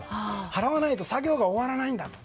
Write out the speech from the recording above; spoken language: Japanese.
払わないと作業が終わらないんだと。